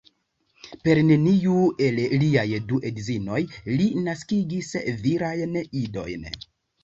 Per neniu el liaj du edzinoj li naskigis virajn idojn.